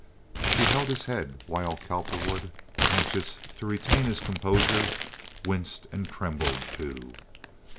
She held his head while Cowperwood, anxious to retain his composure, winced and trembled, too.